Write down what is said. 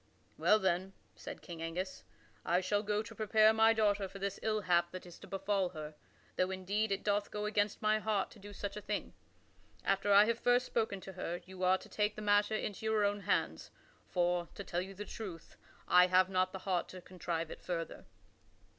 "Well, then," said King Angus, "I shall go to prepare my daughter for this ill hap that is to befall her, though indeed it doth go against my heart to do such a thing. After I have first spoken to her, you are to take the matter into your own hands, for, to tell you the truth, I have not the heart to contrive it further."